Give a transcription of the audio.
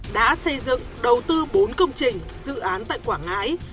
đã xây dựng đầu tư bốn công trình dự án tại quảng ngãi